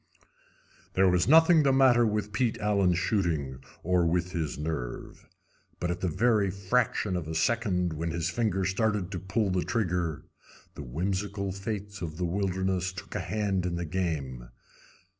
There was nothing the matter with Pete Allen's shooting or with his nerve. But at the very fraction of a second when his finger started to pull the trigger the whimsical Fates of the wilderness took a hand in the game.